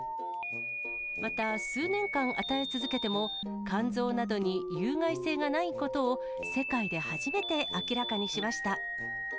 また、数年間、与え続けても、肝臓などに有害性がないことを世界で初めて明らかにしました。